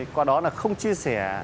qua đó là không chia sẻ